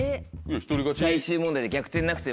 最終問題で。